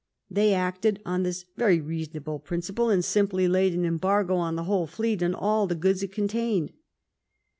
They acted on this very reasonable prin ciple, and simply laid an embargo on the whole fleet and all the goods it contained.